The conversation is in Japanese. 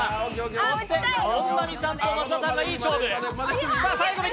そして本並さんと松田さんがいい勝負。